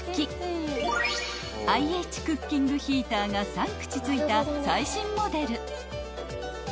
［ＩＨクッキングヒーターが３口ついた最新モデル］